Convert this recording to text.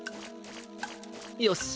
よし！